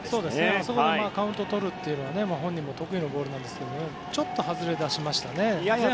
あそこでカウントをとるのが本人も得意のボールですがちょっと外れだしましたね。